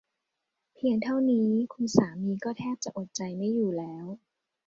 เพียงเท่านี้คุณสามีก็แทบจะอดใจไม่อยู่แล้ว